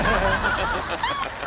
ハハハハ！